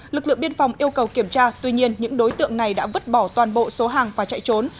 lực lượng biên phòng yêu cầu kiểm tra tuy nhiên những đối tượng này đã vứt bỏ toàn bộ số hàng và chạy trốn